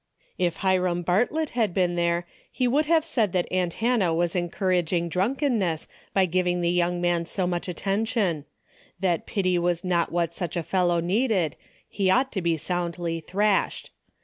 If Hiram Bartlett had been there he would have said that aunt Hannah was encouraging drunkenness by giving the young man so much attention ; that pity was not what such a fellow needed, he ought to be soundly thrashed.